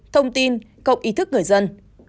thông tin cộng ý thức người dân